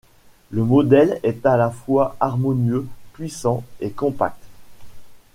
Le modèle est à la fois harmonieux, puissant et compact.